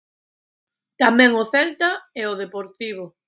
Tamén o Celta e o Deportivo.